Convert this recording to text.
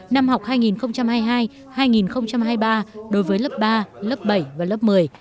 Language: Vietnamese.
năm học hai nghìn hai mươi hai hai nghìn hai mươi ba đối với lớp ba lớp bảy và lớp một mươi